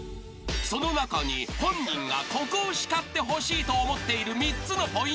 ［その中に本人がここを叱ってほしいと思っている３つのポイントが］